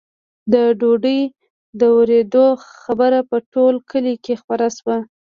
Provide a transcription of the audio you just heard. د ډوډۍ د ورېدو خبره په ټول کلي کې خپره شوه.